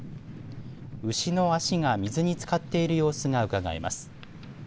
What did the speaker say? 牛の足が水につかっている様子がうかがえます。